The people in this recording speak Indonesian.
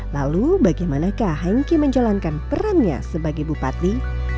lalu bagaimanakah hengki menjalankan perannya sebagai bupati